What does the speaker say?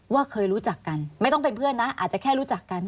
เคยรู้จักกันไม่ต้องเป็นเพื่อนนะอาจจะแค่รู้จักกัน